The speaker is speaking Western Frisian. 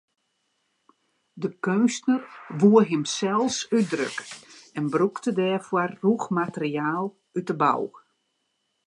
De keunstner woe himsels útdrukke en brûkte dêrfoar rûch materiaal út de bou.